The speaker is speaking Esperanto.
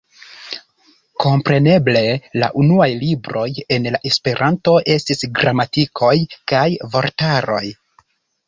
Kompreneble la unuaj libroj en Esperanto estis gramatikoj kaj vortaroj.